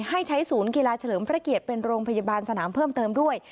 ให้ใช้ศูนย์กีฬาเฉลิมพระเกียรติเป็นโรงพยาบาลสนามเพิ่มเติมด้วย